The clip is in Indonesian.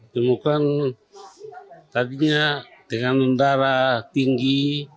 temukan tadinya dengan darah tinggi